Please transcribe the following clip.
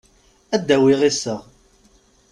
Ad d-awiɣ iseɣ.